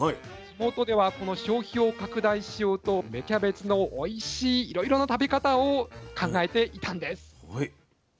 地元ではこの消費を拡大しようと芽キャベツのおいしいいろいろな食べ方を考えていたんです。